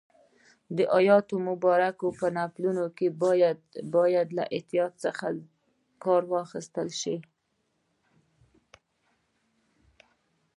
د آیت مبارک په نقلولو کې باید له زیات احتیاط کار واخیستل شي.